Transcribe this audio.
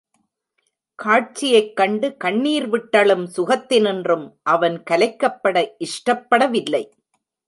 காட்சியை கண்டு கண்ணீர் விட்டழும் சுகத்தினின்றும் அவன் கலைக்கப்பட இஷ்டப்படவில்லை!